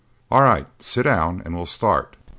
"All right; sit down and we'll start."